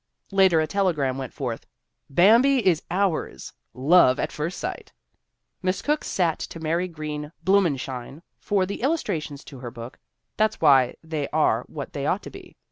... Later a telegram went forth : "Bambi is ours. Love at first sight." Miss Cooke sat to Mary Green Blumenschein for the illustrations to her book ; that's why they are what MARJORIE BENTON COOKE 243 they ought to be.